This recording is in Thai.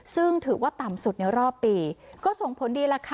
ซึ่งถือว่าต่ำสุดในรอบปีก็ส่งผลดีล่ะค่ะ